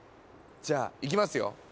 じゃあいきますよ。